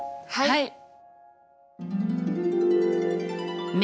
はい。